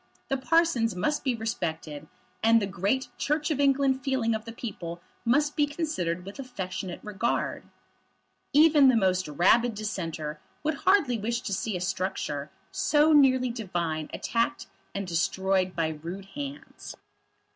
The parsons must be respected, and the great Church of England feeling of the people must be considered with affectionate regard. Even the most rabid Dissenter would hardly wish to see a structure so nearly divine attacked and destroyed by rude hands.